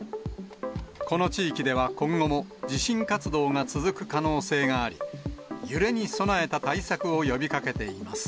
この地域では今後も、地震活動が続く可能性があり、揺れに備えた対策を呼びかけています。